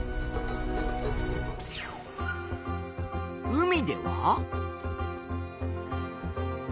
海では。